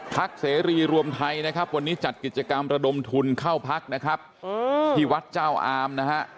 ภักดิ์เสรีรวมไทยวันนี้จัดกิจกรรมระดมทุนเข้าพักที่วัดเจ้าอาม